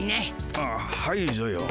あっはいぞよ。